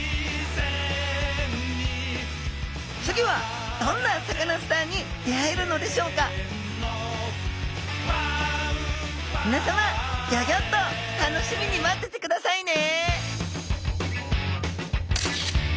次はどんなサカナスターに出会えるのでしょうかみなさまギョギョッと楽しみに待っててくださいね！